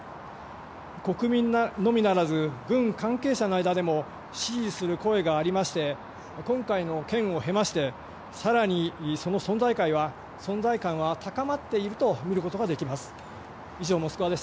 国民のみならず軍関係者の間でも支持する声がありまして今回の件を経まして更にその存在感は高まっているとみることもできます。